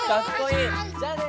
じゃあね！